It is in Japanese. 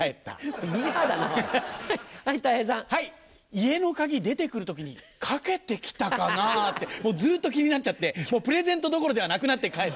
家の鍵出て来る時にかけて来たかな？ってずっと気になっちゃってもうプレゼントどころではなくなって帰った。